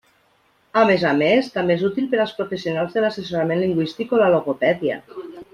A més a més, també és útil per als professionals de l'assessorament lingüístic o la logopèdia.